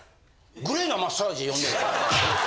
グレーなマッサージ呼んでる。